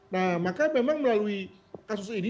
nah maka memang melalui kasus ini